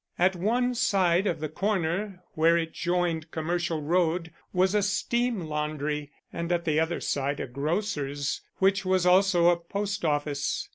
At one side of the corner where it joined Commercial Road was a steam laundry, and at the other side a grocer's which was also a post office.